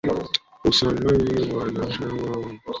usambazaji wa nasaba ya misitu kila mita kumi